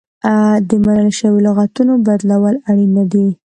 د منل شویو لغتونو بدلول اړین نه دي.